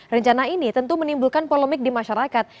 rencana ini tentu menimbulkan polemik di masyarakat